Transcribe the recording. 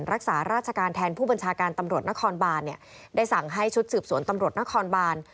รักษาราชการแทนผู้บัญชาการตำรวจนครบานเนี่ยได้สั่งให้ชุดสืบสวนตำรวจนครบาน